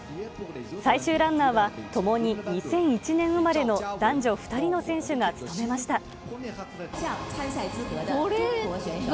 最終ランナーは、ともに２００１年生まれの男女２人の選手が務めました。